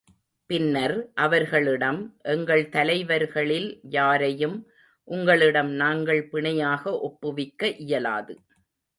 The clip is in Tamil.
பின்னர், அவர்களிடம், எங்கள் தலைவர்களில் யாரையும் உங்களிடம் நாங்கள் பிணையாக ஒப்புவிக்க இயலாது.